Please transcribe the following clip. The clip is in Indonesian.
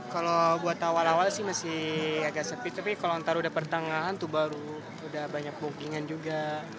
kalau buat awal awal sih masih agak sepi tapi kalau ntar udah pertengahan tuh baru udah banyak bookingan juga